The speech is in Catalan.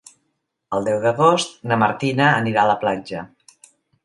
El deu d'agost na Martina anirà a la platja.